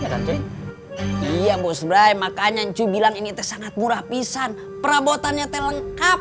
nanti iya bos brai makanya cuy bilang ini sangat murah pisan perabotannya telengkap